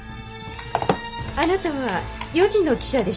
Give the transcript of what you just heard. あなたは４時の汽車でしたわね。